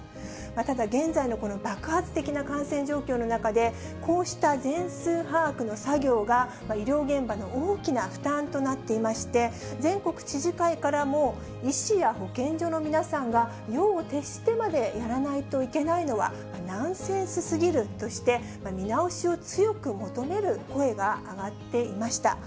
ただ、現在の爆発的な感染状況の中で、こうした全数把握の作業が、医療現場の大きな負担となっていまして、全国知事会からも、医師や保健所の皆さんが夜を徹してまでやらないといけないのはナンセンスすぎるとして、見直しを強く求める声が上がっていました。